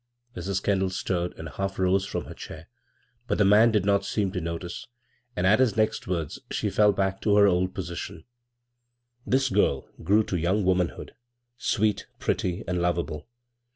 Mrs. Kendall stirred and half rose from her chair ; but the man did not seem to notice, and at his next words she fell back to her old portion. " This girl grew to young womanhood, sweet, pretty, and lov able.